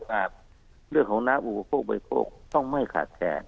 อาจเรื่องของน้ำอุปโภคบริโภคต้องไม่ขาดแคลน